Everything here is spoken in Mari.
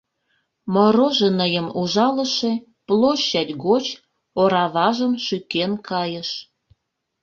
Мороженыйым ужалыше площадь гоч ораважым шӱкен кайыш.